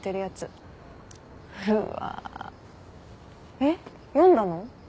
えっ読んだの？